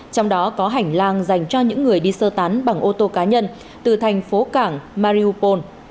trong đó có hành lang dành cho những người đi sơ tán bằng ô tô cá nhân từ thành phố cảng mariopol